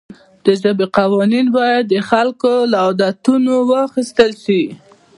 د ژبې قوانین باید د خلکو له عادتونو واخیستل شي.